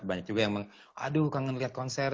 banyak juga yang mengadu kangen lihat konser